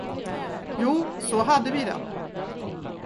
Jo, så hade vi det.